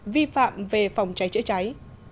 vi phạm về phòng cháy chữa cháy